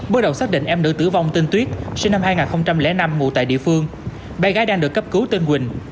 bước đầu xác định em nữ tử vong tên tuyết sinh năm hai nghìn năm ngụ tại địa phương bé gái đang được cấp cứu tên quỳnh